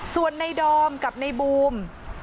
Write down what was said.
ส่วนในดอมกับในบูม